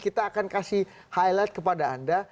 kita akan kasih highlight kepada anda